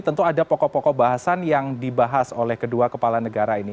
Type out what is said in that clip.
tentu ada pokok pokok bahasan yang dibahas oleh kedua kepala negara ini